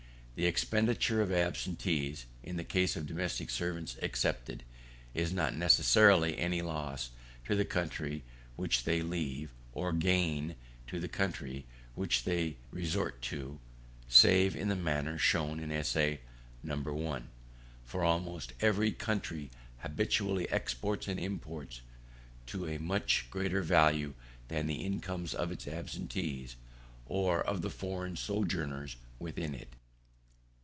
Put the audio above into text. The expenditure of absentees (the case of domestic servants excepted,) is not necessarily any loss to the country which they leave, or gain to the country which they resort to (save in the manner shown in Essay I.): for almost every country habitually exports and imports to a much greater value than the incomes of its absentees, or of the foreign sojourners within it.